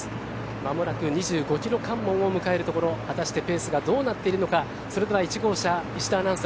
間もなく２５キロ関門を迎えるところ果たしてペースがどうなっているのか１号車石田アナウンサー